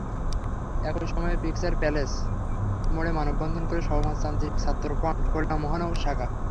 একই সময়ে Picture Palace মোড়ে মানববন্ধন করে সমাজতান্ত্রিক ছাত্রফ্রন্ট খুলনা মহানগর শাখা।